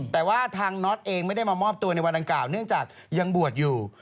แต่ว่าทางน็อตเองไม่ได้มามอบตัวในวันอังกล่าวเนื่องจากยังบวชอยู่